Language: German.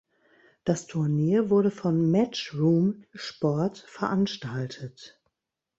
Das Turnier wurde von Matchroom Sport veranstaltet.